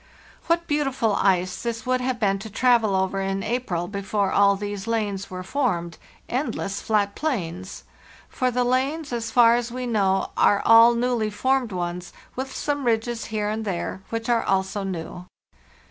"What beautiful ice this would have been to travel over in April before all these lanes were formed—endless flat plains! For the lanes, as far as we know, are all newly formed ones, with some ridges here and _ there, which are also new.